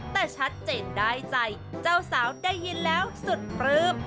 แต่ชัดเจนได้ใจเจ้าสาวได้ยินแล้วสุดปลื้ม